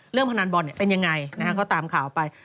เรื่องพนันบอลเนี่ยเป็นยังไงนะฮะเขาตามข่าวไป